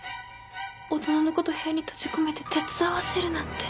大人の事部屋に閉じ込めて手伝わせるなんて。